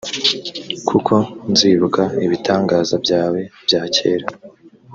kuko nzibuka ibitangaza byawe bya kera